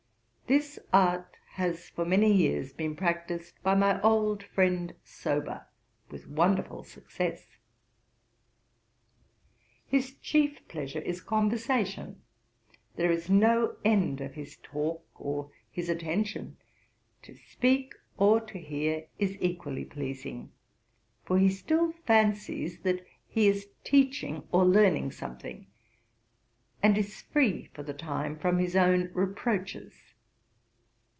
This art has for many years been practised by my old friend Sober with wonderful success.... His chief pleasure is conversation; there is no end of his talk or his attention; to speak or to hear is equally pleasing; for he still fancies that he is teaching or learning something, and is free for the time from his own reproaches.